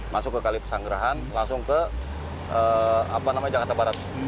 masuk ke kalipesanggerahan langsung ke jalan jalanan